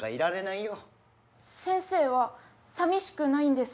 先生はさみしくないんですか？